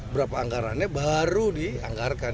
berapa anggarannya baru dianggarkan